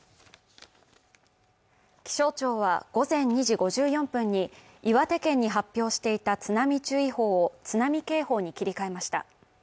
気象庁は午前２時５４分に岩手県に発表していた津波注意報を津波警報に切り替えました。